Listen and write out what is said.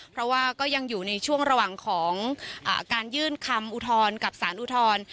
เพราะว่าก็ยังอยู่ในช่วงระหว่างของการยื่นคำอุทธรณ์กับสารอุทธรณ์